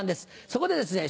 そこでですね